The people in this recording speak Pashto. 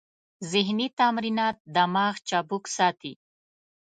ذهني تمرینات دماغ چابک ساتي.